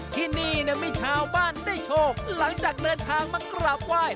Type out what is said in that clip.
ที่นี่มีชาวบ้านได้โชคหลังจากเดินทางมากราบไหว้